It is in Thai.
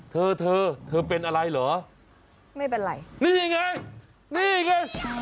เธอเธอเป็นอะไรเหรอไม่เป็นไรนี่ไงนี่ไง